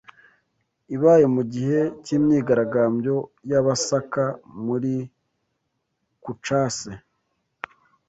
ibaye mugihe cy'imyigaragambyo y'Abasaka muri kucase